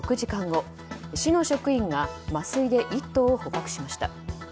後市の職員が麻酔で１頭を捕獲しました。